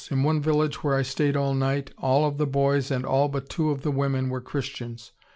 In one village where I stayed all night, all of the boys and all but two of the women were Christians.